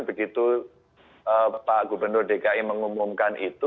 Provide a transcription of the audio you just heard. begitu pak gubernur dki mengumumkan itu